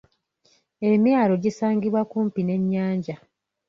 Emyalo gisangibwa kumpi n'ennyanja.